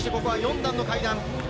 ここは４段の階段。